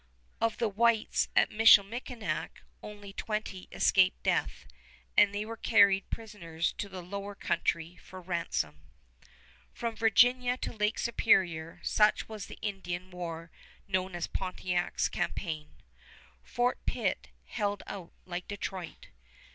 Of the whites at Michilimackinac only twenty escaped death, and they were carried prisoners to the Lower Country for ransom. From Virginia to Lake Superior such was the Indian war known as Pontiac's Campaign. Fort Pitt held out like Detroit.